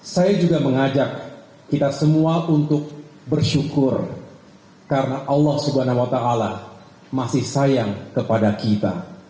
saya juga mengajak kita semua untuk bersyukur karena allah swt masih sayang kepada kita